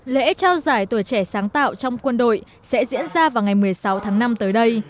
lễ trao giải tuổi trẻ sáng tạo trong quân đội sẽ diễn ra vào ngày một mươi sáu tháng năm tới đây